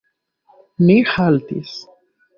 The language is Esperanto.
Ni haltis.